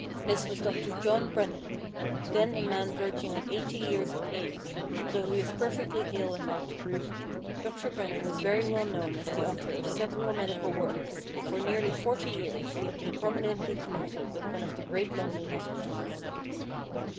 This was Doctor John Brennan, then a man verging on eighty years of age, although he was perfectly hale and hearty. Doctor Brennan was very well known as the author of several medical works, and for nearly forty years lie had been prominently connected with one of the great London hospitals.